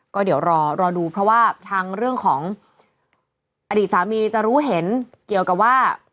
ก็เดี๋ยวรอดูเพราะว่าทางเรื่องของอดีตสามีจะรู้เห็นเกี่ยวกับว่า